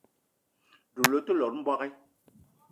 Doula le te lene mbogui.